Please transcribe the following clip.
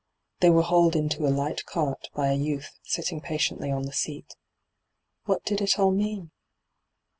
Tbey were hauled into a light cart by a youth sitting patiently on the seat. What did it all mean